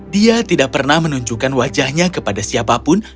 dia tidak pernah menunjukkan wajahnya kepada siapapun